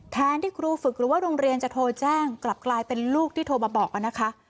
แทนที่ครูฝึกหรือว่าโรงเรียนจะโทรแจ้งกลับกลายเป็นลูกที่โทรมาบอกนะคะ